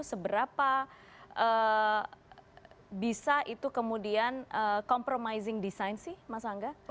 seberapa bisa itu kemudian compromizing design sih mas angga